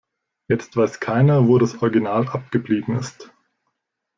Jetzt weiß keiner, wo das Original abgeblieben ist.